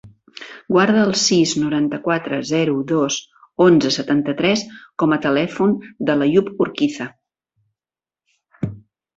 Guarda el sis, noranta-quatre, zero, dos, onze, setanta-tres com a telèfon de l'Àyoub Urquiza.